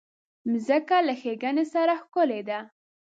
مځکه له ښېګڼې سره ښکلې ده.